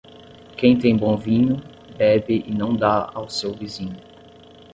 Quem tem bom vinho, bebe e não dá ao seu vizinho.